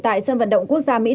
tại sân vận động quốc gia mỹ đình